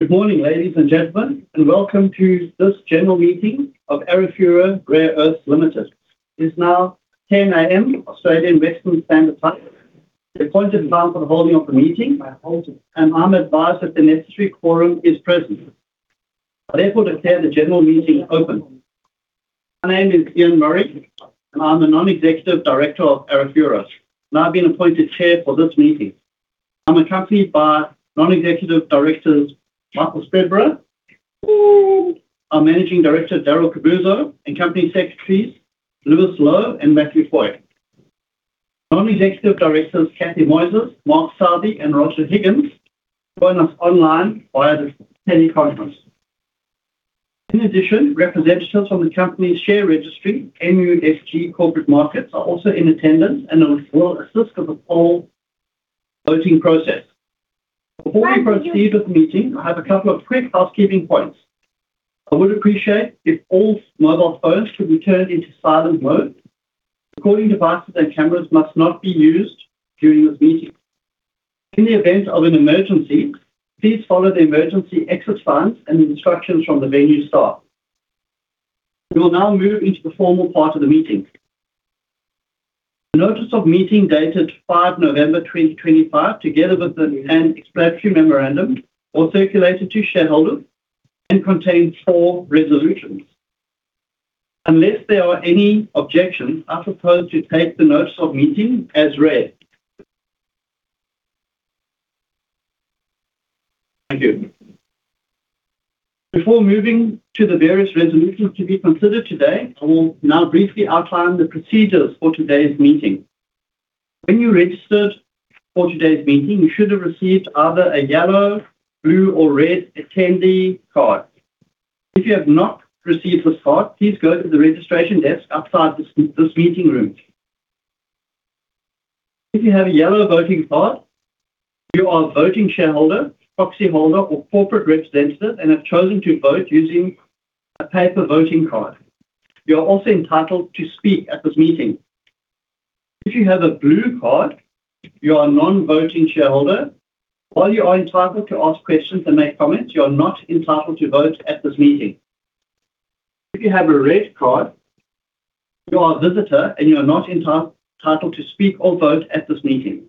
Good morning, ladies and gentlemen, and welcome to this general meeting of Arafura Rare Earths Limited. It is now 10:00 A.M. Australian Western Standard Time. The appointed venue for the holding of the meeting, and I'm advised that the necessary quorum is present. I therefore declare the general meeting open. My name is Ian Murray, and I'm the Non-Executive Director of Arafura. Now I've been appointed chair for this meeting. I'm accompanied by Non-Executive Directors Michael Spreadborough, our Managing Director Darryl Cuzzubbo, and company secretaries Lewis Lowe and Matthew Foy. Non-Executive Directors Cathy Moises, Mark Southey, and Roger Higgins join us online via the teleconference. In addition, representatives from the company's share registry, MUFG Corporate Markets, are also in attendance, and they will assist with the whole voting process. Before we proceed with the meeting, I have a couple of quick housekeeping points. I would appreciate it if all mobile phones could be turned into silent mode. Recording devices and cameras must not be used during this meeting. In the event of an emergency, please follow the emergency exit signs and the instructions from the venue staff. We will now move into the formal part of the meeting. The notice of meeting dated 5 November 2025, together with an explanatory memorandum, was circulated to shareholders and contains four resolutions. Unless there are any objections, I propose to take the notice of meeting as read. Thank you. Before moving to the various resolutions to be considered today, I will now briefly outline the procedures for today's meeting. When you registered for today's meeting, you should have received either a yellow, blue, or red attendee card. If you have not received this card, please go to the registration desk outside this meeting room. If you have a yellow voting card, you are a voting shareholder, proxy holder, or corporate representative and have chosen to vote using a paper voting card. You are also entitled to speak at this meeting. If you have a blue card, you are a non-voting shareholder. While you are entitled to ask questions and make comments, you are not entitled to vote at this meeting. If you have a red card, you are a visitor and you are not entitled to speak or vote at this meeting.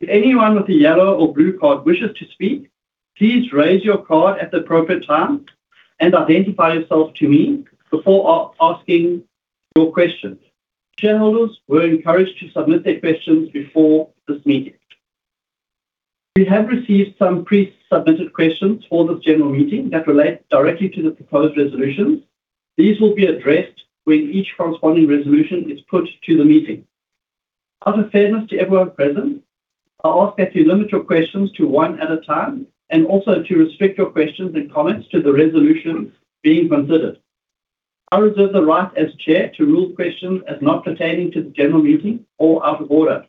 If anyone with a yellow or blue card wishes to speak, please raise your card at the appropriate time and identify yourself to me before asking your questions. Shareholders were encouraged to submit their questions before this meeting. We have received some pre-submitted questions for this general meeting that relate directly to the proposed resolutions. These will be addressed when each corresponding resolution is put to the meeting. Out of fairness to everyone present, I ask that you limit your questions to one at a time and also to restrict your questions and comments to the resolutions being considered. I reserve the right as chair to rule questions as not pertaining to the general meeting or out of order.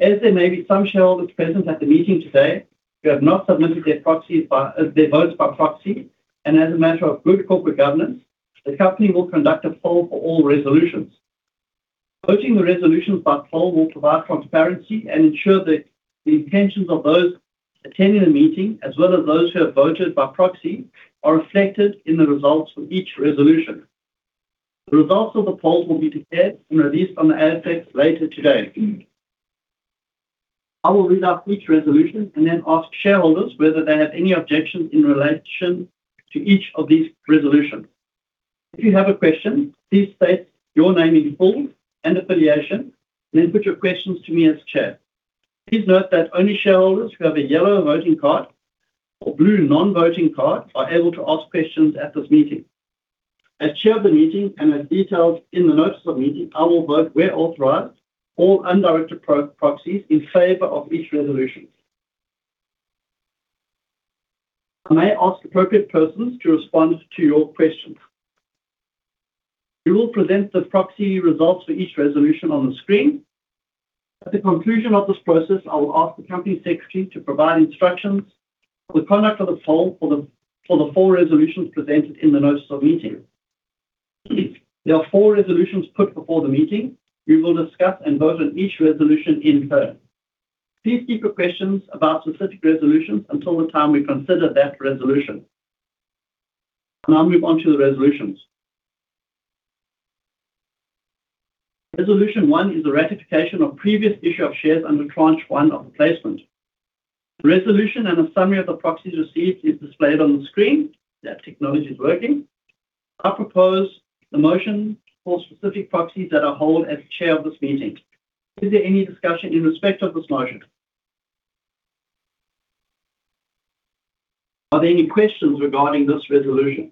As there may be some shareholders present at the meeting today who have not submitted their votes by proxy, and as a matter of good corporate governance, the company will conduct a poll for all resolutions. Voting the resolutions by poll will provide transparency and ensure that the intentions of those attending the meeting, as well as those who have voted by proxy, are reflected in the results for each resolution. The results of the polls will be declared and released on the ASX later today. I will read out each resolution and then ask shareholders whether they have any objections in relation to each of these resolutions. If you have a question, please state your name in full and affiliation, and then put your questions to me as Chair. Please note that only shareholders who have a yellow voting card or blue non-voting card are able to ask questions at this meeting. As Chair of the meeting and as detailed in the Notice of Meeting, I will vote where authorized, all undirected proxies in favor of each resolution. I may ask appropriate persons to respond to your questions. We will present the proxy results for each resolution on the screen. At the conclusion of this process, I will ask the company secretary to provide instructions for the conduct of the poll for the four resolutions presented in the Notice of Meeting. There are four resolutions put before the meeting. We will discuss and vote on each resolution in turn. Please keep your questions about specific resolutions until the time we consider that resolution. I'll now move on to the resolutions. Resolution one is a ratification of previous issue of shares under tranche one of the placement. The resolution and a summary of the proxies received is displayed on the screen. That technology is working. I propose the motion for specific proxies that are held as chair of this meeting. Is there any discussion in respect of this motion? Are there any questions regarding this resolution?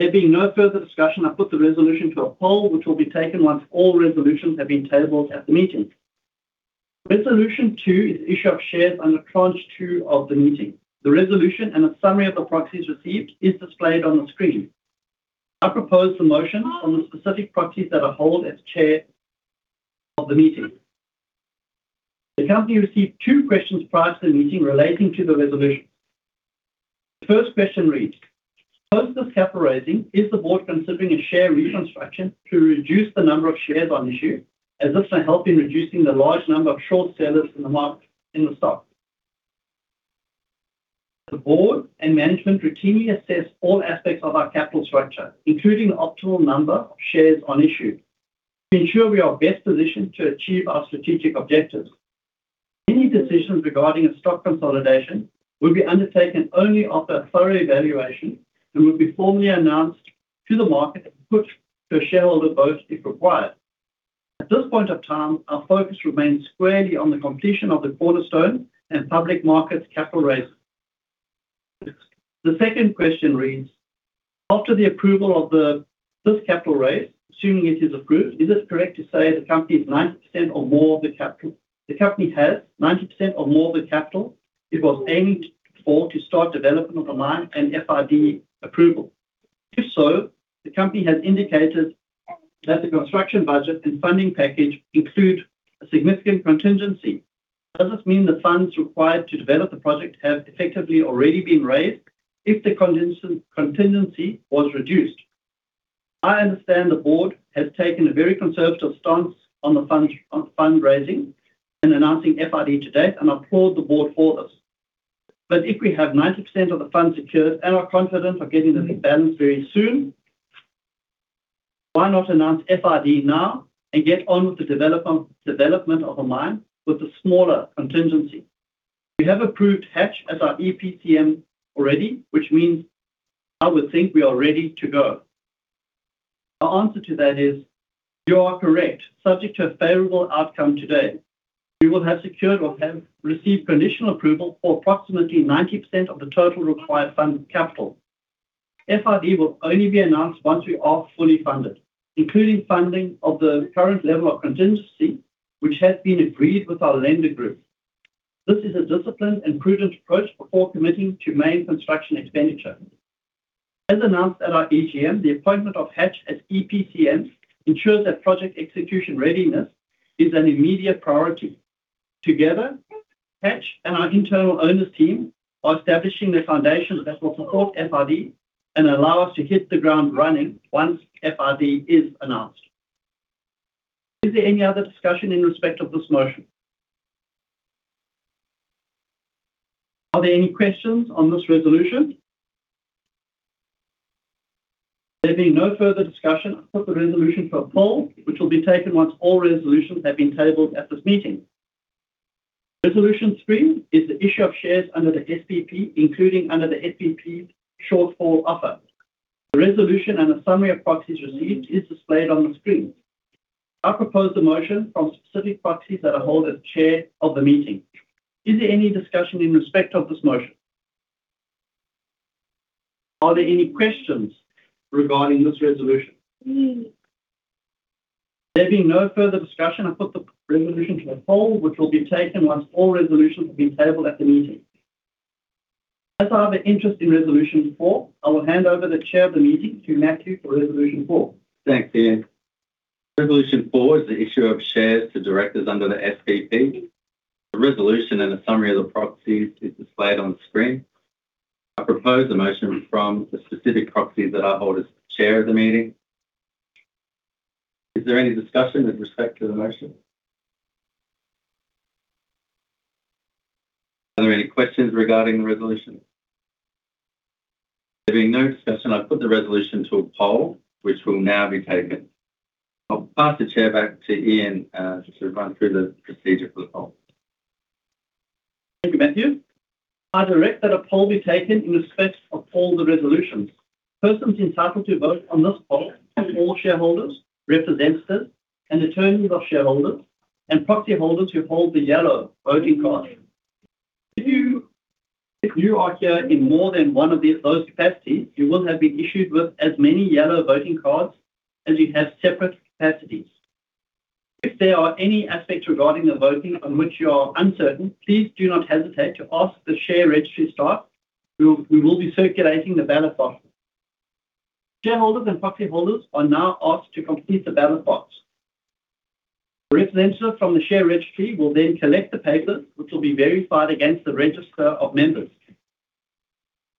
There being no further discussion, I put the resolution to a poll, which will be taken once all resolutions have been tabled at the meeting. Resolution two is the issue of shares under tranche two of the placement. The resolution and a summary of the proxies received is displayed on the screen. I propose the motion on the specific proxies that are held as chair of the meeting. The company received two questions prior to the meeting relating to the resolutions. The first question reads, "Post this capital raising, is the board considering a share reconstruction to reduce the number of shares on issue as if to help in reducing the large number of short sellers in the market in the stock?" The board and management routinely assess all aspects of our capital structure, including the optimal number of shares on issue, to ensure we are best positioned to achieve our strategic objectives. Any decisions regarding a stock consolidation will be undertaken only after a thorough evaluation and will be formally announced to the market and put to a shareholder vote if required. At this point of time, our focus remains squarely on the completion of the cornerstone and public markets capital raise. The second question reads, "After the approval of this capital raise, assuming it is approved, is it correct to say the company is 90% or more of the capital? The company has 90% or more of the capital it was aiming for to start development of the line and FID approval. If so, the company has indicated that the construction budget and funding package include a significant contingency. Does this mean the funds required to develop the project have effectively already been raised if the contingency was reduced? I understand the board has taken a very conservative stance on the fundraising and announcing FID to date, and I applaud the board for this. But if we have 90% of the funds secured and are confident of getting the balance very soon, why not announce FRD now and get on with the development of the mine with the smaller contingency? We have approved Hatch as our EPTM already, which means I would think we are ready to go." My answer to that is, "You are correct. Subject to a favorable outcome today, we will have secured or have received conditional approval for approximately 90% of the total required funded capital. FRD will only be announced once we are fully funded, including funding of the current level of contingency, which has been agreed with our lender group. This is a disciplined and prudent approach before committing to main construction expenditure. As announced at our EGM, the appointment of Hatch as EPTM ensures that project execution readiness is an immediate priority. Together, Hatch and our internal owners team are establishing the foundation that will support FRD and allow us to hit the ground running once FRD is announced. Is there any other discussion in respect of this motion? Are there any questions on this resolution? There being no further discussion, I put the resolution to a poll, which will be taken once all resolutions have been tabled at this meeting. Resolution three is the issue of shares under the SPP, including under the SPP shortfall offer. The resolution and a summary of proxies received is displayed on the screen. I propose the motion from specific proxies that are held as chair of the meeting. Is there any discussion in respect of this motion? Are there any questions regarding this resolution? There being no further discussion, I put the resolution to a poll, which will be taken once all resolutions have been tabled at the meeting. As I have an interest in resolution four, I will hand over the chair of the meeting to Matthew for resolution four. Thanks, Ian. Resolution four is the issue of shares to directors under the SPP. The resolution and a summary of the proxies is displayed on the screen. I propose a motion from the specific proxies that are held as chair of the meeting. Is there any discussion with respect to the motion? Are there any questions regarding the resolution? There being no discussion, I put the resolution to a poll, which will now be taken. I'll pass the chair back to Ian to run through the procedure for the poll. Thank you, Matthew. I direct that a poll be taken in respect of all the resolutions. Persons entitled to vote on this poll are all shareholders, representatives, and attorneys of shareholders and proxy holders who hold the yellow voting card. If you are here in more than one of those capacities, you will have been issued with as many yellow voting cards as you have separate capacities. If there are any aspects regarding the voting on which you are uncertain, please do not hesitate to ask the share registry staff. We will be circulating the ballot box. Shareholders and proxy holders are now asked to complete the ballot box. The representative from the share registry will then collect the papers, which will be verified against the register of members.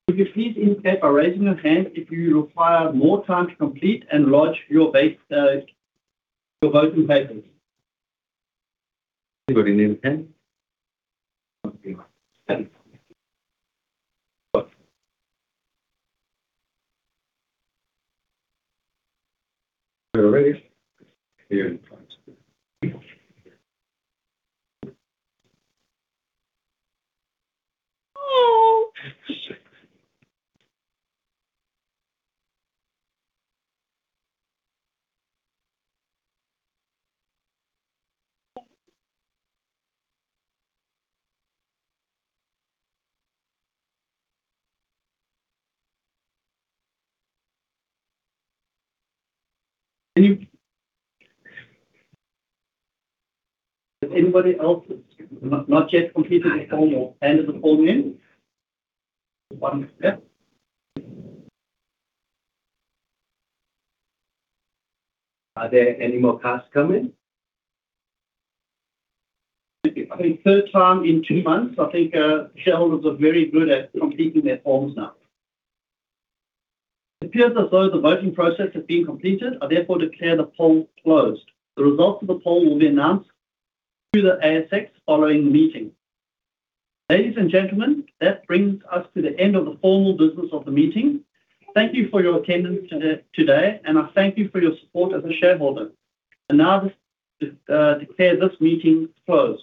Would you please indicate by raising your hand if you require more time to complete and lodge your voting papers? Anybody need a hand? Anybody else that's not yet completed the form or handed the form in? One step. Are there any more cards coming? I think third time in two months, I think shareholders are very good at completing their forms now. It appears as though the voting process has been completed. I therefore declare the poll closed. The results of the poll will be announced to the ASX following the meeting. Ladies and gentlemen, that brings us to the end of the formal business of the meeting. Thank you for your attendance today, and I thank you for your support as a shareholder. And now I declare this meeting closed.